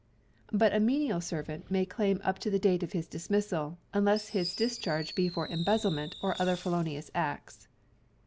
But a Menial Servant may claim up to the date of his dismissal, unless his discharge be for embezzlement or other felonious acts.